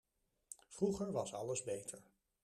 Vroeger was alles beter.